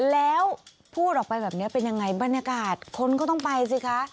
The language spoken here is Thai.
แล้วพูดออกไปแบบนี้เป็นยังไงบรรยากาศคนก็ต้องไปสิคะ